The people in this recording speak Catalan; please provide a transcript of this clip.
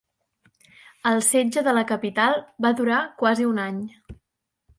El setge de la capital va durar quasi un any.